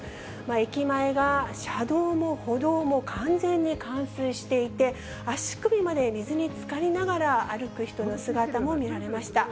駅前が車道も歩道も完全に冠水していて、足首まで水につかりながら歩く人の姿も見られました。